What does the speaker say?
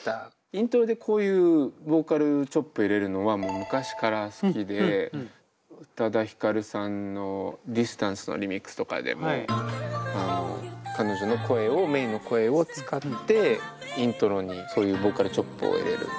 イントロでこういうボーカルチョップ入れるのはもう昔から好きで宇多田ヒカルさんの「ＤＩＳＴＡＮＣＥ」のリミックスとかでも彼女の声をメインの声を使ってイントロにそういうボーカルチョップを入れるっていうのをやったりとか。